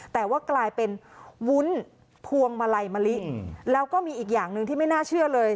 แต่ว่ากลายเป็นวุ้นพวงมาลัยมะลิแล้วก็มีอีกอย่างหนึ่งที่ไม่น่าเชื่อเลย